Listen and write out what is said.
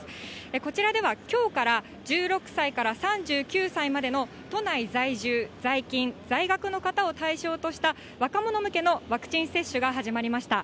こちらではきょうから１６歳から３９歳までの都内在住、在勤、在学の方を対象とした、若者向けのワクチン接種が始まりました。